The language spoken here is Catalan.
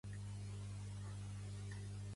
Què passa? —Un cagarro per la bassa.